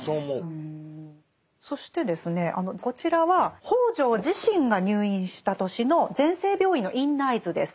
そしてですねこちらは北條自身が入院した年の全生病院の院内図です。